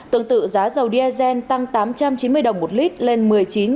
tương tự giá dầu diesel tăng tám trăm chín mươi đồng một lít lên một mươi chín năm trăm linh đồng một lít